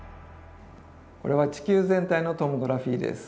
これは地球全体のトモグラフィーです。